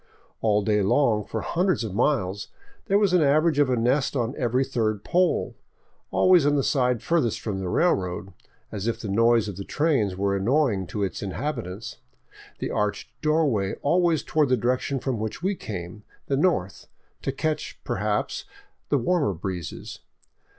All day long, for hundreds of miles, there was an average of a nest on every third pole, always on the side farthest from the railroad, as if the noise of the trains were annoying to its inhabitants, the arched doorway always toward the direction from which we came — the north — to catch, perhaps, the warmer breezes.